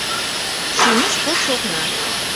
Шӱмеш кодшо окна